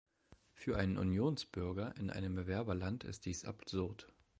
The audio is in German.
Für einen Unionsbürger in einem Bewerberland ist dies absurd.